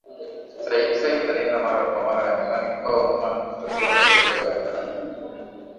Sayyid Said alienda mara kwa mara nyumbani kwao Oman kutatua migogoro ya ndani